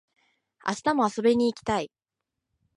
明日も遊びに行きたい